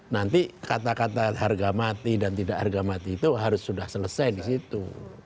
nanti kata kata harga mati dan tidak harga mati itu harus sudah selesai di situ